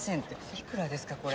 幾らですかこれ。